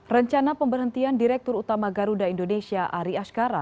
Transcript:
rencana pemberhentian direktur utama garuda indonesia ari askara